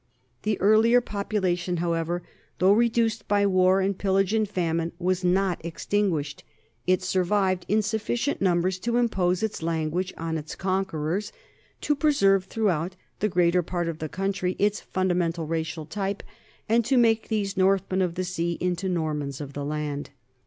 The earlier population, however, though reduced by war and pillage and famine, was not extinguished. It survived in sufficient numbers to impose its language on its con querors, to preserve throughout the greater part of the country its fundamental racial type, and to make these Northmen of the sea into Normans of the land.